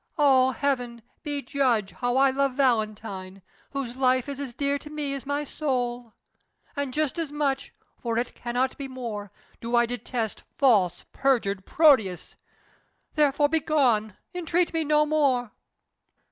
"Oh, heaven, be judge how I love Valentine, whose life is as dear to me as my soul! And just as much for it cannot be more do I detest false, perjured Proteus! Therefore begone; entreat me no more."